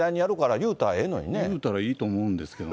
言うたらいいと思うんですけどね。